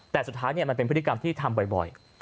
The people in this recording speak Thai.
แต่สุดท้ายมันเป็นพฤติกรรมที่ทำบ่อย